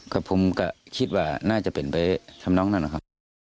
ก็ผมก็คิดว่าน่าจะเป็นไปทำน้องนั่นนะครับ